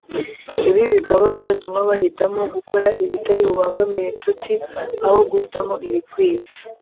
ibi bikaba byatuma bahitamo gukora ibitari bubangamire inshuti aho guhitamo ibikwiye